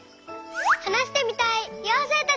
はなしてみたいようせいたち！